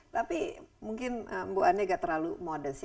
tapi mungkin bu ani tidak terlalu modest